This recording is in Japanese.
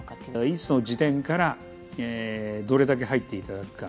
いつの時点から、どれだけ入っていただくか。